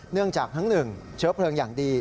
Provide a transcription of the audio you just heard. เนื่องจากทั้งหนึ่งเชื้อเปลืองอย่างดี